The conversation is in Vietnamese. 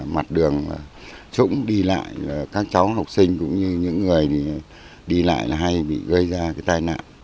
mặt đường trũng đi lại các cháu học sinh cũng như những người đi lại hay bị gây ra cái tai nạn